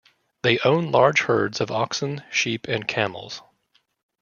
They own large herds of oxen, sheep and camels.